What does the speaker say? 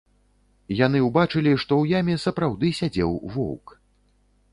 Яны ўбачылі, што ў яме сапраўды сядзеў воўк.